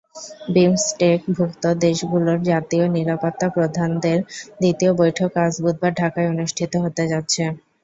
বিমসটেকভুক্ত দেশগুলোর জাতীয় নিরাপত্তাপ্রধানদের দ্বিতীয় বৈঠক আজ বুধবার ঢাকায় অনুষ্ঠিত হতে যাচ্ছে।